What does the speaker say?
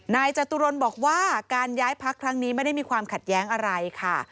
จตุรนบอกว่าการย้ายพักครั้งนี้ไม่ได้มีความขัดแย้งอะไรค่ะ